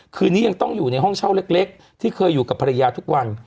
คืนนี้ยังต้องอยู่ในห้องเช่าเล็กที่เคยอยู่กับภรรยาทุกวัน